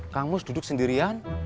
kangus duduk sendirian